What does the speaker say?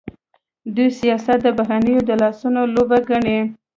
دوی سیاست د بهرنیو د لاسونو لوبه ګڼي.